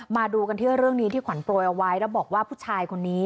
มาดูกันที่เรื่องนี้ที่ขวัญโปรยเอาไว้แล้วบอกว่าผู้ชายคนนี้